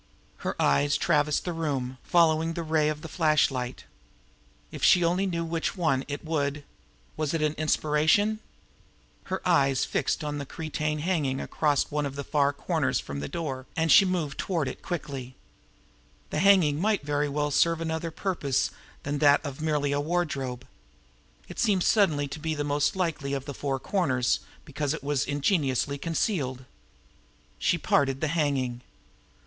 Her eyes traversed the room, following the ray of the flashlight. If she only knew which one, it would Was it an inspiration? Her eyes had fixed on the cretonne hanging across one of the far corners from the door, and she moved toward it now quickly. The hanging might very well serve for an other purpose than that of merely a wardrobe! It seemed suddenly to be the most likely of the four corners because it was ingeniously concealed. She parted the hanging.